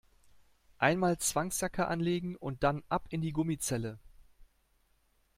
Einmal Zwangsjacke anlegen und dann ab in die Gummizelle!